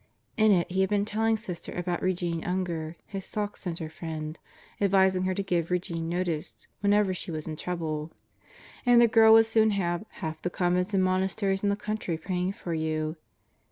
In it he had been telling Sister about Regene Unger, his Sauk Center friend, advising her to give Regene notice whenever she was in trouble, and the girl would soon have "half the convents and monasteries in the country praying for you."